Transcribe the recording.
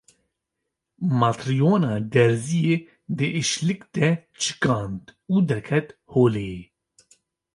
Matryona derziyê di îşlik de çikand û derket holê.